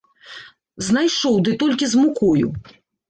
Знайшоў, ды толькі з мукою.